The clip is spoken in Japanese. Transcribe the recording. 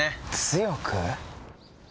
「強く？」